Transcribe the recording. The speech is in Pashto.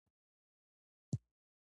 د هغه ژوند یو ژور معنوي بدلون وموند.